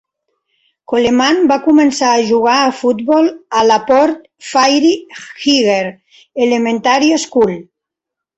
Coleman va començar a jugar a futbol a la Port Fairy Higher Elementary School.